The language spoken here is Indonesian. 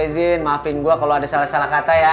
minalah di rumah faizin maafin gue kalo ada salah salah kata ya